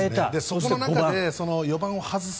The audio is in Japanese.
その中で４番を外す。